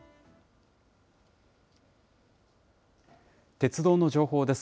鉄道の情報です。